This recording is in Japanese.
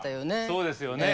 そうですよね。